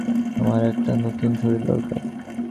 আমার একটা নতুন শরীর দরকার।